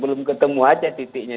belum ketemu saja titiknya